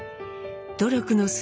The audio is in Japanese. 努力の末